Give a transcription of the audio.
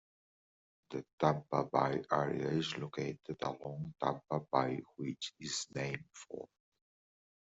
The Tampa Bay area is located along Tampa Bay which it is named for.